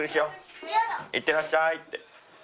「行ってらっしゃい」って。